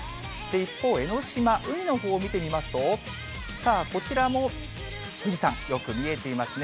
一方、江の島、海のほう見てみますと、さあ、こちらも富士山、よく見えていますね。